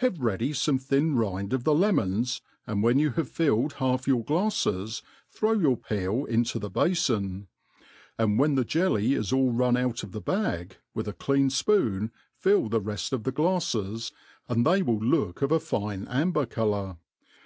Have ready fome thin rind of the Jemons, and ^hefi you have filled half your glalTes throw your peel into the bafon ; and when (be jelly is ail run out of the bag, with a clean fpoon fill ttie refl of the glafles* and they will look of a . fine amber colour.